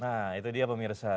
nah itu dia pemirsa